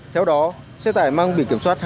theo đó xe tài bị thương nặng mắc kẹt cần được cứu hộ